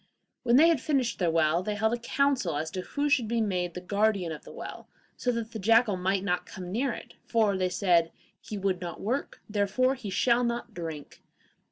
When they had finished their well, they held a council as to who should be made the guardian of the well, so that the jackal might not come near it, for, they said, 'he would not work, therefore he shall not drink.